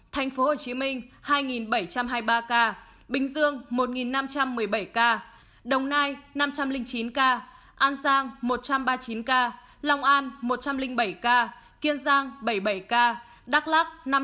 thành phố hồ chí minh hai bảy trăm hai mươi ba ca bình dương một năm trăm một mươi bảy ca đồng nai năm trăm linh chín ca an giang một trăm ba mươi chín ca lòng an một trăm linh bảy ca kiên giang bảy mươi bảy ca đắk lắc năm mươi chín ca bình thuận bốn mươi bảy ca hà nam bốn mươi hai ca khánh hòa ba mươi sáu ca tiền giang ba mươi sáu ca cần thơ ba ca